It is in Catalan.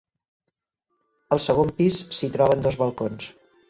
Al segon pis s'hi troben dos balcons.